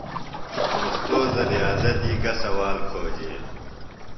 اوستوذہ ریاضہ دی گہ سوال کھوجیلیۡ؟